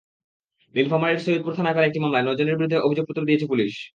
নীলফামারীর সৈয়দপুর থানায় করা একটি মামলায় নয়জনের বিরুদ্ধে অভিযোগপত্র দিয়েছে পুলিশ।